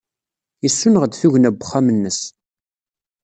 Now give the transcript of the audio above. Yessuneɣ-d tugna n uxxam-nnes.